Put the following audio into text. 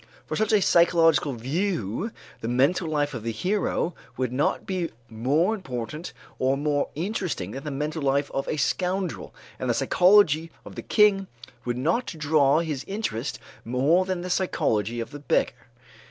For such a psychological view the mental life of the hero would not be more important or more interesting than the mental life of a scoundrel, and the psychology of the king would not draw his interest more than the psychology of the beggar.